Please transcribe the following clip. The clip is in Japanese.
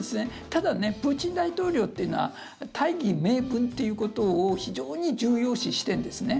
ただ、プーチン大統領というのは大義名分ということを非常に重要視しているんですね。